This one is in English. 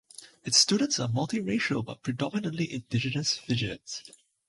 Its students are multiracial, but predominantly Indigenous Fijians.